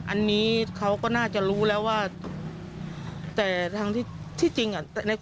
อันนี้เขาก็น่าจะรู้แล้วว่าแต่ทางที่จริงอ่ะ